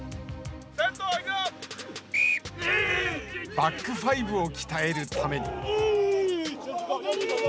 バックファイブを鍛えるために。